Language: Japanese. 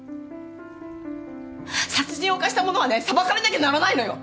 殺人を犯した者はね裁かれなきゃならないのよ！